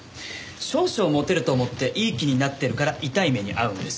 少々モテると思っていい気になってるから痛い目に遭うんです。